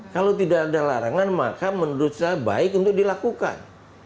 kalau tidak ada larangan maka menurut saya baik untuk dilakukan